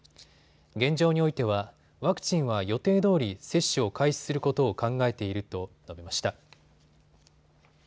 現状においてはワクチンは予定どおり接種を開始することを考えていると述べました。